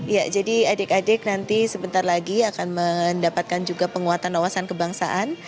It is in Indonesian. ya jadi adik adik nanti sebentar lagi akan mendapatkan juga penguatan wawasan kebangsaan